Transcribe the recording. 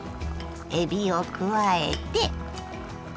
えびを加えて。